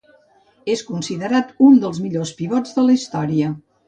És considerat un dels millors pivots de la història.